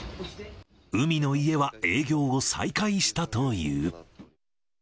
海の家は営業を再開したという。